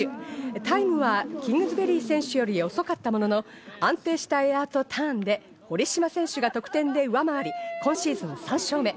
タイムはキングズベリー選手より遅かったものの、安定したエアとターンで、堀島選手が得点では上回り今シーズン３勝目。